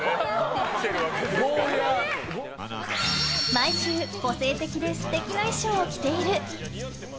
毎週、個性的で素敵な衣装を着ている！